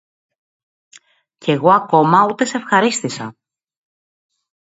Κι εγώ ακόμα ούτε σ' ευχαρίστησα!